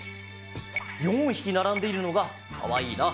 ４ひきならんでいるのがかわいいな。